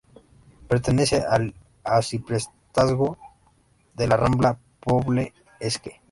Pertenece al arciprestazgo de la Rambla-Poble-sec.